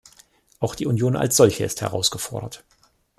Auch die Union als solche ist herausgefordert.